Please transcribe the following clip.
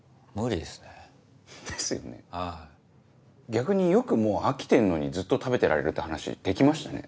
逆によくもう飽きてんのにずっと食べてられるって話できましたね？